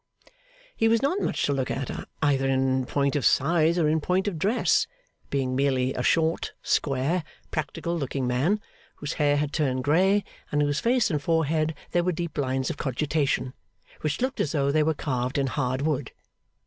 He was not much to look at, either in point of size or in point of dress; being merely a short, square, practical looking man, whose hair had turned grey, and in whose face and forehead there were deep lines of cogitation, which looked as though they were carved in hard wood.